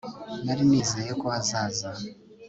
nari nizeye ko azaza